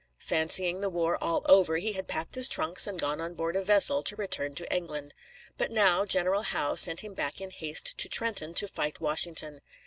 Fancying the war all over, he had packed his trunks and gone on board a vessel to return to England. But now General Howe sent him back in haste to Trenton to fight Washington.